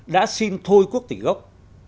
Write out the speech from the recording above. đã xin thôi quốc tịch gốc